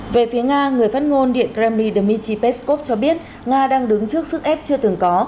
về phía nga người phát ngôn điện kremmy dmitry peskov cho biết nga đang đứng trước sức ép chưa từng có